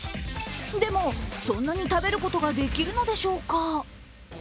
でも、そんなに食べることができるのでしょうか。